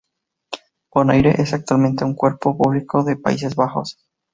Bonaire es actualmente un cuerpo público de Países Bajos.